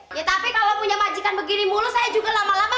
kagak ada yang namanya naik derajat you know